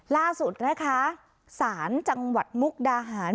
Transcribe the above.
ล่าสุดนะคะศาลจังหวัดมุกดาหาร